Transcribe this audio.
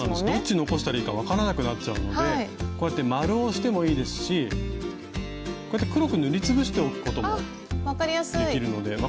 どっち残したらいいか分からなくなっちゃうのでこうやって丸をしてもいいですしこうやって黒く塗り潰しておくこともできるので。